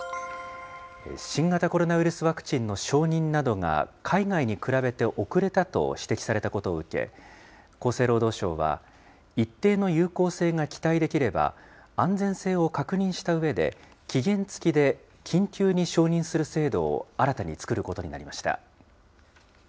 新型コロナウイルスワクチンの承認などが、海外に比べて遅れたと指摘されたことを受け、厚生労働省は、一定の有効性が期待できれば、安全性を確認したうえで、期限付きで緊急に承認する制度を新たに作ることになりました。